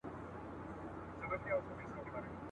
تور یې خپور کړ په ګوښه کي غلی غلی ..